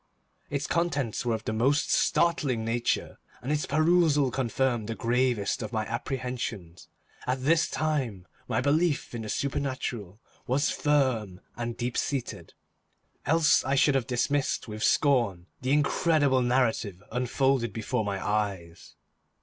Its contents were of the most startling nature, and its perusal confirmed the gravest of my apprehensions. At this time, my belief in the supernatural was firm and deep seated, else I should have dismissed with scorn the incredible narrative unfolded before my eyes.